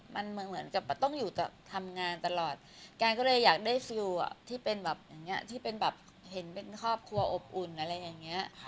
แม่ก็เลยอยากได้ฟิวที่เป็นแบบเห็นเป็นครอบครัวอบอุ่นอะไรอย่างเงี้ย